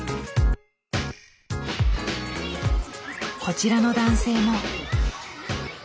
こちらの男性も。